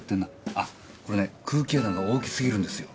あっこれね空気穴が大きすぎるんですよ。